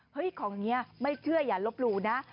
ของอย่างนี้ไม่เชื่ออย่าลบหลู่นะ